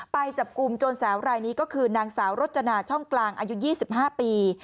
ไปจับกลุ่มโจรสาวรายนี้ก็คือนางสาวรจนาช่องกลางอายุ๒๕ปี